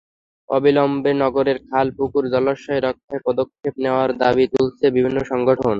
অবিলম্বে নগরের খাল, পুকুর, জলাশয় রক্ষায় পদক্ষেপ নেওয়ার দাবি তুলেছে বিভিন্ন সংগঠন।